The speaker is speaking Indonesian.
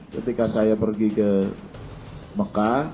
ketika saya pergi ke mekah